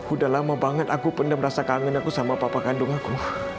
udah lama banget aku pernah merasa kangen aku sama papa kandung aku